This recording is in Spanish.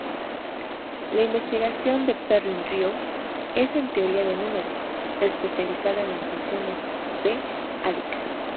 La investigación de Perrin-Riou es en teoría de números, especializada en las funciones p-ádicas.